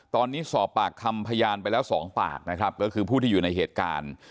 ตอนนี้สอบปากคำพยานไปแล้วสองปากนะครับก็คือผู้ที่อยู่ในเหตุการณ์